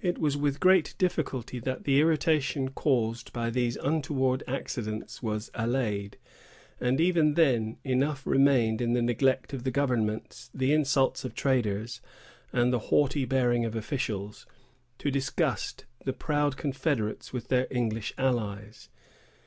It was with great difficulty that the irritation caused by these untoward accidents was allayed; and even then enough remained in the neglect of governments, the insults of traders, and the haughty bearing of officials, to disgust the proud confederates with their English allies.